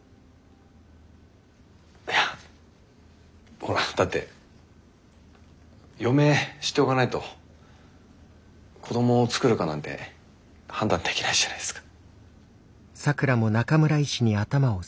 いやほらだって余命知っておかないと子どもを作るかなんて判断できないじゃないですか。